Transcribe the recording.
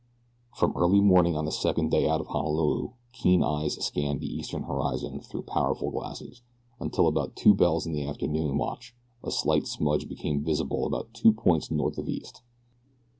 From early morning of the second day out of Honolulu keen eyes scanned the eastern horizon through powerful glasses, until about two bells of the afternoon watch a slight smudge became visible about two points north of east.